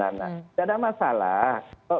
nggak ada masalah